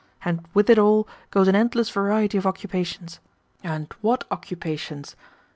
And with it all goes an endless variety of occupations. And what occupations!